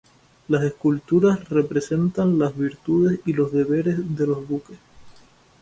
Las esculturas representan las virtudes y los deberes de los duques.